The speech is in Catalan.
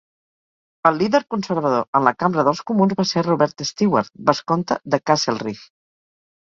El líder conservador en la Cambra dels Comuns va ser Robert Stewart, vescomte de Castlereagh.